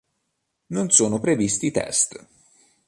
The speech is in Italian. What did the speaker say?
Non sono previsti test